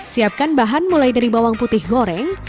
siapkan bahan mulai dari bawang putih goreng